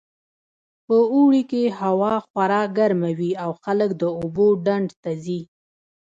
په اوړي کې هوا خورا ګرمه وي او خلک د اوبو ډنډ ته ځي